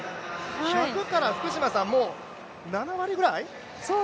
１００から、福島さん、７割ぐらい？